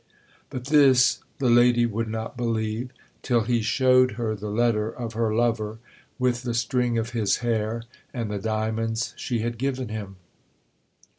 But this the lady would not believe, till he showed her the letter of her lover, with the string of his hair, and the diamonds she had given him.